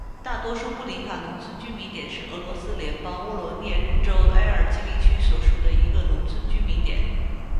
大多布林卡农村居民点是俄罗斯联邦沃罗涅日州埃尔季利区所属的一个农村居民点。